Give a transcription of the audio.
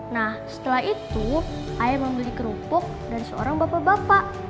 nah setelah itu ayah membeli kerupuk dan seorang bapak bapak